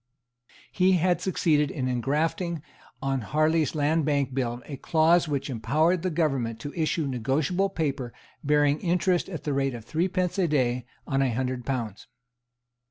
He had succeeded in engrafting on Harley's Land Bank Bill a clause which empowered the government to issue negotiable paper bearing interest at the rate of threepence a day on a hundred pounds.